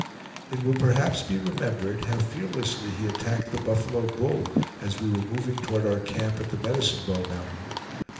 It will perhaps be remembered how fearlessly he attacked the buffalo bull, as we were moving toward our camp at the Medicine Bow Mountain.